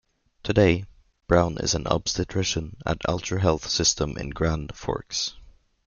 Today, Brown is an obstetrician at Altru Health System in Grand Forks.